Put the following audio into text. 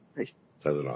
さよなら。